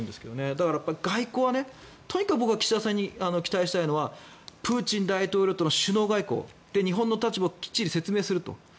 だから、外交はとにかく岸田さんに期待したいのはプーチン大統領との首脳外交日本の立場をきっちり説明すると。